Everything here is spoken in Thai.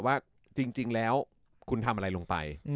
ว่าจริงแล้วคุณทำอะไรลงไป